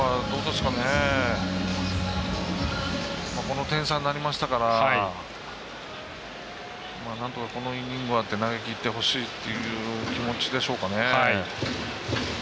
この点差になりましたからなんとか、このイニングは投げきってほしいっていう気持ちでしょうかね。